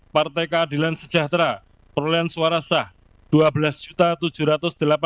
partai keadilan sejahtera perolehan suara sah rp dua belas tujuh ratus delapan puluh